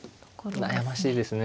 悩ましいですね。